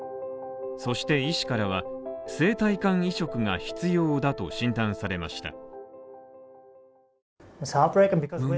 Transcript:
そして、医師からは生体肝移植が必要だと診断されました。